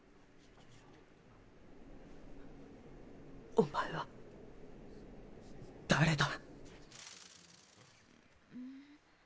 お前は誰だ。